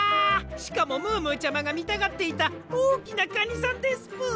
しかもムームーちゃまがみたがっていたおおきなカニさんですぷ。